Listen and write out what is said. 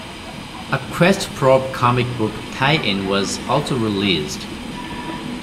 A "Questprobe" comic book tie-in was also released.